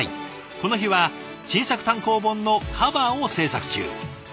この日は新作単行本のカバーを制作中。